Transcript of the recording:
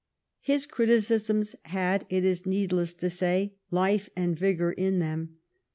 His criticisms had, it is needless to say, life and vigor in them.